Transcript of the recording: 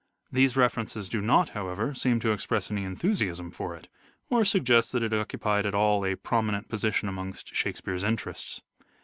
These references do not, however, seem to express any enthusiasm for it, or suggest that it occupied at all a prominent position amongst Shake speare's interests.